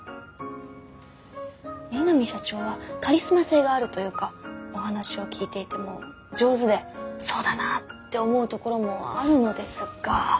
三並社長はカリスマ性があるというかお話を聞いていても上手でそうだなって思うところもあるのですが。